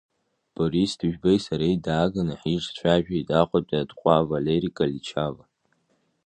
Борис Ҭыжәбеи сареи дааганы ҳиҿцәажәеит Аҟәатәи атҟәа Валери Каличава.